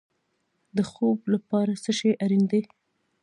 د خوب لپاره څه شی اړین دی؟